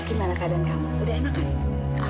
gimana keadaan kamu udah enak kali